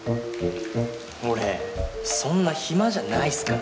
俺そんな暇じゃないっすから。